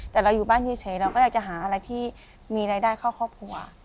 แต่เราอยู่บ้านเฉยเราก็อยากจะหาอะไรที่มีรายได้เข้าครอบครัว